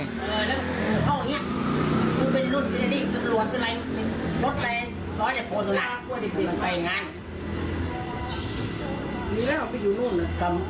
ต้องไปงาน